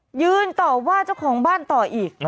ยืนต่อว่าเจ้าของบ้านต่ออีก